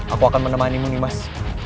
aku akan menemani mu nimas